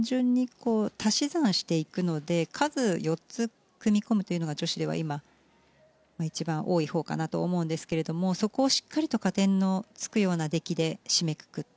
トリプルジャンプ単純に足し算をしていくので数を４つ組み込むというのが女子では今、一番多いほうかなと思うんですがそこをしっかりと加点のつくような出来で締めくくった。